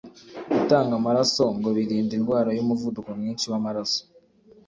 Gutanga amaraso ngo birinda indwara y’umuvuduko mwinshi w’amaraso